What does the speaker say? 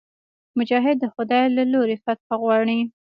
مجاهد د خدای له لورې فتحه غواړي.